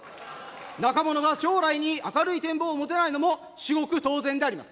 若者が将来に明るい展望を持てないのも、至極当然であります。